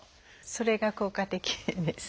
それが効果的です。